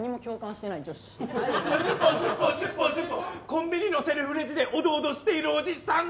コンビニのセルフレジでおどおどしているおじさん。